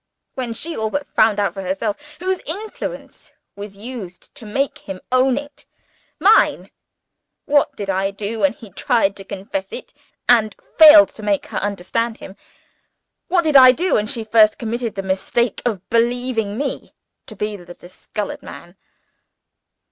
"When she all but found it out for herself, whose influence was used to make him own it? Mine! What did I do, when he tried to confess it, and failed to make her understand him? what did I do when she first committed the mistake of believing me to be the disfigured man?"